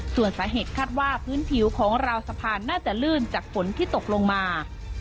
ส่วนสาเหตุคาดว่าพื้นผิวของราวสะพานน่าจะลื่นจากฝนที่ตกลงมา